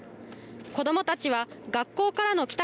子どもたちは学校からの帰宅